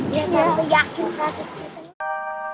iya tante yakin proses keseluruhan